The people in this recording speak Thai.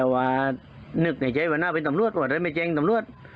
ว่านึกในใจว่าน่าเป็นตำรวจว่าได้ไม่แจ้งตำรวจ